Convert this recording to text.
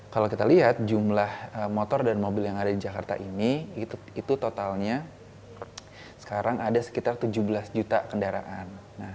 kalau kita lihat jumlah motor dan mobil yang ada di jakarta ini itu totalnya sekarang ada sekitar tujuh belas juta kendaraan